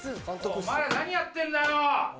お前ら何やってんだよ！